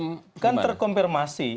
sebentar kan terkonfirmasi